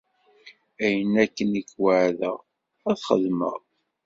Ayen akken i k-weɛdeɣ, ad t-xedmeɣ!